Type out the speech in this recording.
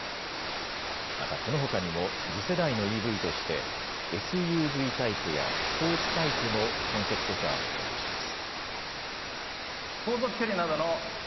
またこのほかにも次世代のＥＶとしてＳＵＶタイプやスポーツタイプのコンセプトカーも展示します。